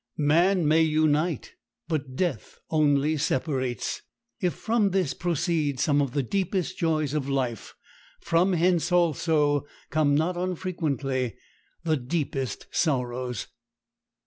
Man may unite, but death only separates. If from this proceed some of the deepest joys of life, from hence also come not unfrequently the deepest sorrows.